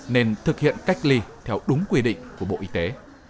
nên thực hiện cách ly theo đúng quy định của bộ y tế